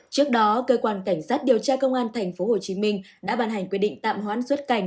trước đó cơ quan cảnh sát điều tra công an tp hcm đã bàn hành quy định tạm hoãn xuất cảnh